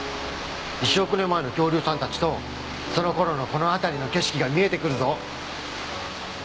１億年前の恐竜さんたちとその頃のこの辺りの景色が見えてくるぞ！